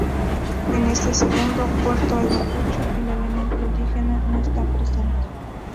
En este segundo Puerto Ayacucho el elemento indígena no está presente.